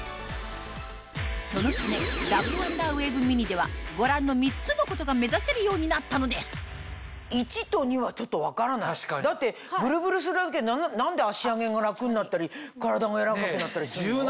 そのためダブルワンダーウェーブミニではご覧の３つのことが目指せるようになったのです１と２はちょっと分からないだってブルブルするだけで何で足上げが楽になったり体が柔らかくなったりするの？